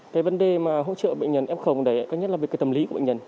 cái vấn đề mà hỗ trợ bệnh nhân f đấy nhất là về cái tâm lý của bệnh nhân